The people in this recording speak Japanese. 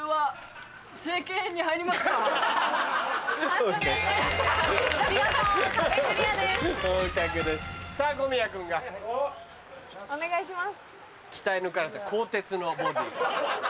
判定お願いします。